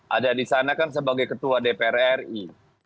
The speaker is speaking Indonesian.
ada di sana kan sebagai ketua dpr ri